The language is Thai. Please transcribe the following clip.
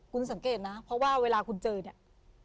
คุณสังเกตนะเพราะว่าเวลาคุณเจอเนี่ย